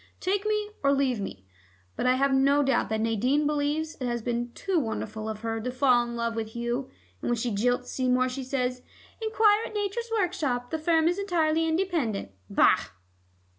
Take me or leave me.' But I have no doubt that Nadine believes it has been too wonderful of her to fall in love with Hugh. And when she jilts Seymour, she says 'Enquire at Nature's Workshop; this firm is entirely independent.' Bah!"